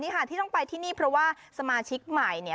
นี่ที่ต้องไปเพราะว่าสมาชิกใหม่